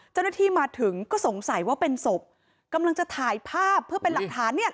เจ้าหน้าที่มาถึงก็สงสัยว่าเป็นศพกำลังจะถ่ายภาพเพื่อเป็นหลักฐานเนี่ย